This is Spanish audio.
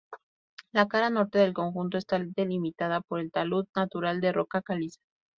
La cara norte del conjunto está delimitada por el talud natural de roca caliza.